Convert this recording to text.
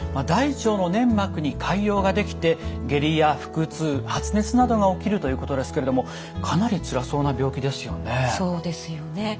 大腸の粘膜に潰瘍ができて下痢や腹痛発熱などが起きるということですけれどもかなりつらそうな病気ですよね。